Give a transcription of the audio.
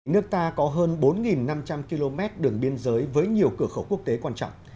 nước ta có hơn bốn năm trăm linh km đường biên giới với nhiều cửa khẩu quốc tế quan trọng